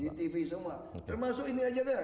cctv semua termasuk ini aja deh